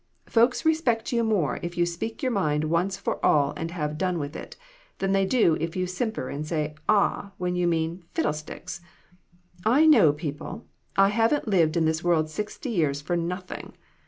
Folks respect you more if you speak your mind once for all and have done with it, than they do if you simper, and say 'ah!' when you mean 'fiddle sticks !' I know people ; I haven't lived in this world sixty years for nothing.